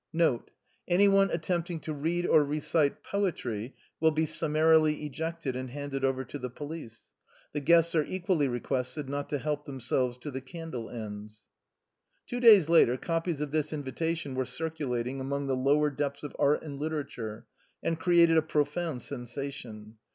N.B. Anyone attempting to read or recite poetry will be summarily ejected and handed over to the police. The guests are equally requested not to help themselves to the candle ends." Two days later copies of this invitation were circulating among the lower depths of art and literature, and created a profound sensation.